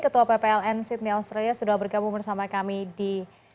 ketua ppln sydney australia sudah bergabung bersama kami di